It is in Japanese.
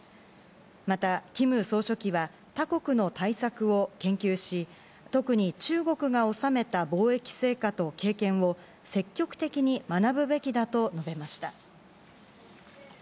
またキム総書記は他国の対策を研究し、特に中国が収めた防疫成果と経験を積極的に学ぶべきだと述べました。